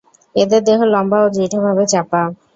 এদের দেহ লম্বা ও দৃঢ়ভাবে চাপা।